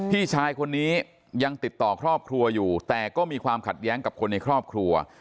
พี่ชายคนนี้ยังติดต่อครอบครัวอยู่แต่ก็มีความขัดแย้งกับคนในครอบครัว